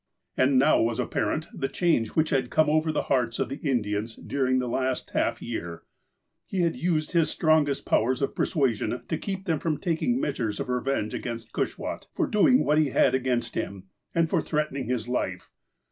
And now was apparent the change which had come over the hearts of the Indians during the last half year. He had to use his strongest powers of i)ersuasion to keep them from taking measures of revenge against Cushwaht, for doing what he had against him, and for threatening his life.